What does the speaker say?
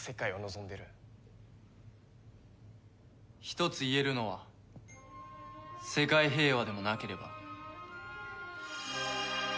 一つ言えるのは世界平和でもなければ。